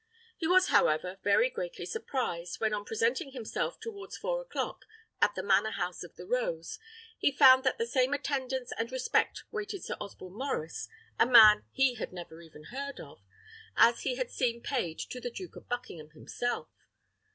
He was, however, very greatly surprised, when on presenting himself, towards four o'clock, at the manor house of the Rose, he found that the same attendance and respect waited Sir Osborne Maurice, a man he never even heard of, as he had seen paid to the Duke of Buckingham himself.